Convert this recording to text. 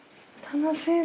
楽しい？